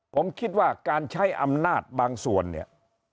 ผมคิดว่าการใช้อำนาจบางส่วนเนี่ย